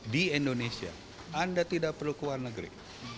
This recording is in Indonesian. di indonesia anda tidak perlu keluar negeri